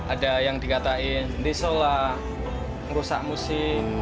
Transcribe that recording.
ada yang dikatain disolah merusak musik